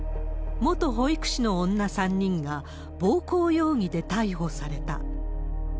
元保育士の女３人が、暴行容疑で逮捕された。